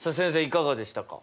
いかがでしたか。